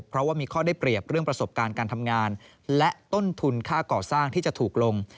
เพราะว่ามีข้อได้เปรียบเรื่องประสบการณ์การทำงานและต้นทุนค่าก่อสร้างที่จะถูกลง